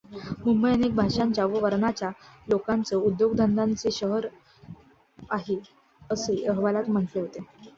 मुंबई अनेक भाषांच्या व वर्णाच्या लोकांचं, उद्योगधंद्याचे शहरआहे असे अहवालात म्हटले होते.